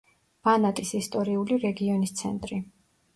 ბანატის ისტორიული რეგიონის ცენტრი.